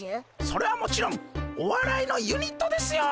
それはもちろんおわらいのユニットですよ。